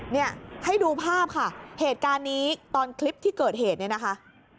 เนี่ยให้ดูภาพค่ะเหตุการณ์นี้ตอนคลิปที่เกิดเหตุเนี่ยนะคะ